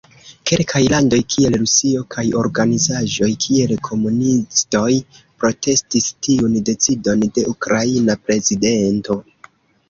Kelkaj landoj, kiel Rusio, kaj organizaĵoj, kiel komunistoj, protestis tiun decidon de ukraina prezidento.